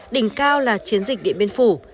đỉnh cao là chiến dịch điện biên phủ